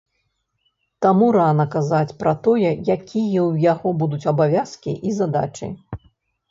Таму рана казаць пра тое, якія ў яго будуць абавязкі і задачы.